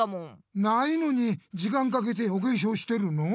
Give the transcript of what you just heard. ないのに時間かけておけしょうしてるの？